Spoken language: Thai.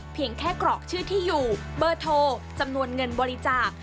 เพียงแค่กรอกชื่อที่อยู่เบอร์โทรจำนวนเงินบริจาค